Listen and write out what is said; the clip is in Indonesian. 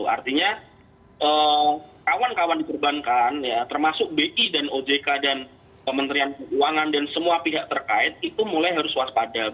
artinya kawan kawan di perbankan termasuk bi dan ojk dan kementerian keuangan dan semua pihak terkait itu mulai harus waspada